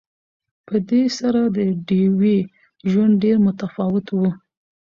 په دې سره د ډیوې ژوند ډېر متفاوت وو